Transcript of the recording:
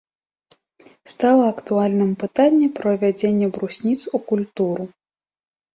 Стала актуальным пытанне пра ўвядзенне брусніц у культуру.